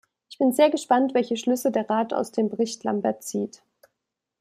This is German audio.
Ich bin sehr gespannt, welche Schlüsse der Rat aus dem Bericht Lambert zieht.